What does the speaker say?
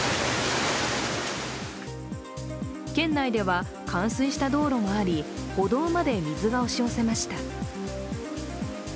県内では冠水した道路もあり歩道まで水が押し寄せました。